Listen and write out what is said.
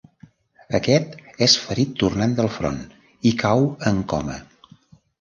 Aquest és ferit tornant del front, i cau en coma.